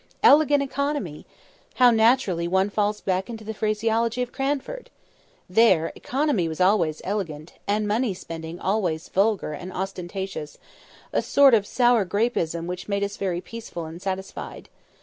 "Elegant economy!" How naturally one falls back into the phraseology of Cranford! There, economy was always "elegant," and money spending always "vulgar and ostentatious"; a sort of sour grapeism which made us very peaceful and satisfied.